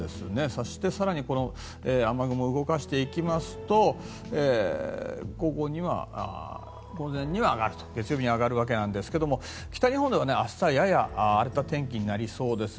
そして、更に雨雲を動かしていきますと月曜日には上がるわけなんですけど北日本では明日はやや荒れた天気になりそうです。